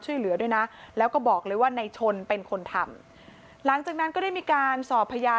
ช่วยเหลือด้วยนะแล้วก็บอกเลยว่าในชนเป็นคนทำหลังจากนั้นก็ได้มีการสอบพยาน